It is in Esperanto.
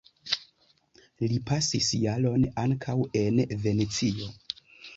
Li pasis jaron ankaŭ en Venecio.